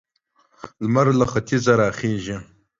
لمر له ختيځه را خيژي.